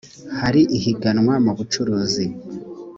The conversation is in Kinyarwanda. hari ihiganwa mu bucuruzi.